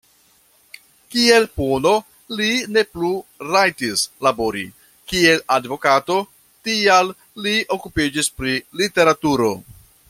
Kiel puno, li ne plu rajtis labori, kiel advokato, tial li okupiĝis pri literaturo.